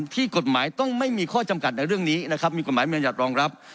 ที่กฎหมายต้องไม่มีข้อจำกัดในเรื่องนี้นะครับมีกฎหมายมัญญัติรองรับ